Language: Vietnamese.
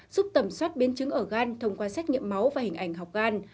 giúp tẩm soát biên chứng ở gan thông qua xét nghiệm máu và hình ảnh học gan